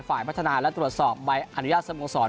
ฝ่ายพัฒนาและตรวจสอบใบอนุญาตสโมสร